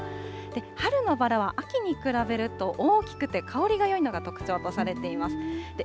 春のバラは秋に比べると大きくて香りがよいのが特徴とされています。